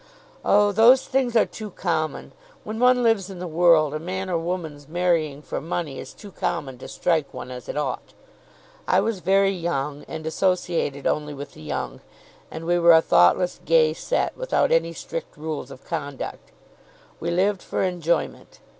"Oh! those things are too common. When one lives in the world, a man or woman's marrying for money is too common to strike one as it ought. I was very young, and associated only with the young, and we were a thoughtless, gay set, without any strict rules of conduct. We lived for enjoyment.